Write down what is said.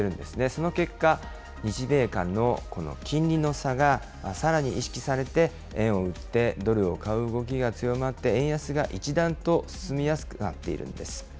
その結果、日米間の金利の差がさらに意識されて、円を売ってドルを買う動きが強まって、円安が一段と進みやすくなっているんです。